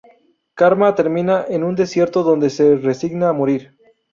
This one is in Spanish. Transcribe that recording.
Karma termina en un desierto, donde se resigna a morir.